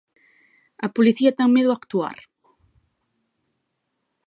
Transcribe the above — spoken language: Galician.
A Policía ten medo a actuar.